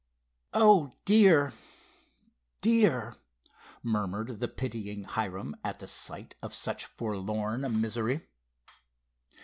"Oh, dear! Dear!" murmured the pitying Hiram at the sight of such forlorn misery.